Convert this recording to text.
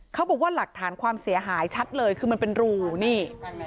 เขาบอกว่าหลักฐานความเสียหายชัดเลยคือมันเป็นรูนี่